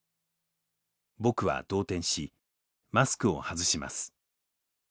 僕は動転しマスクを外します。